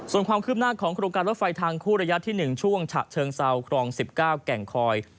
ส่วนความคืบหน้าของโครงการรถไฟทางคู่ระยะที่๑ช่วงฉะเชิงเซาครอง๑๙แก่งคอย